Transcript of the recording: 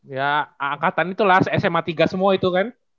ya angkatan itu lah sma tiga semua itu kan